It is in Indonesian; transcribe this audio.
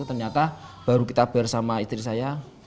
ternyata baru kita beli sama istri saya